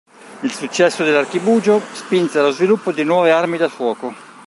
Il successo dell'archibugio spinse allo sviluppo di nuove armi da fuoco.